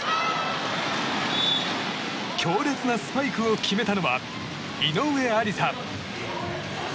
強烈なスパイクを決めたのは井上愛里沙。